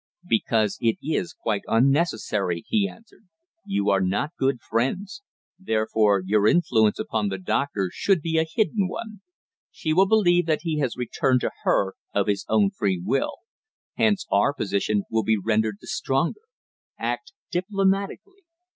"Because it is quite unnecessary," he answered. "You are not good friends; therefore your influence upon the doctor should be a hidden one. She will believe that he has returned to her of his own free will; hence our position will be rendered the stronger. Act diplomatically.